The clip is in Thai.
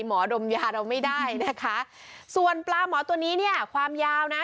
ดมยาเราไม่ได้นะคะส่วนปลาหมอตัวนี้เนี่ยความยาวนะ